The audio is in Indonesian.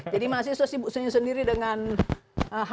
jadi mahasiswa sibuk sendiri sendiri dengan hp nya gitu ya